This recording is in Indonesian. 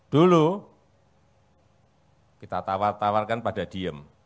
dulu kita tawar tawarkan pada diem